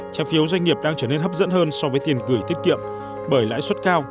trái phiếu doanh nghiệp đang trở nên hấp dẫn hơn so với tiền gửi tiết kiệm bởi lãi suất cao